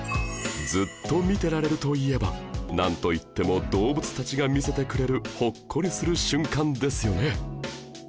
ずっと見てられるといえばなんといっても動物たちが見せてくれるほっこりする瞬間ですよね